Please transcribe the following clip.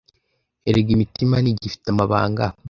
erega imitima ntigifite amabanga